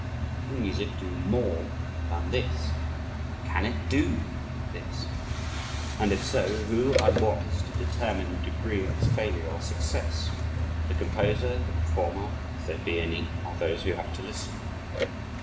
Can music do MORE than this? Can it DO this? and if so who and what is to determine the degree of its failure or success? The composer, the performer (if there be any), or those who have to listen?